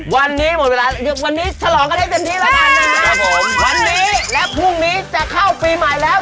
วันนี้และพรุ่งนี้จะเข้าปีใหม่แล้ว